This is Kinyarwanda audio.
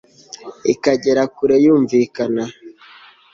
ikagera kure yumvikana